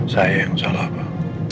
saya yang salah pak